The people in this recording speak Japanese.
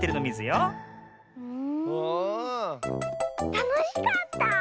たのしかった！